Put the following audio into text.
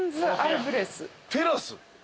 テラス？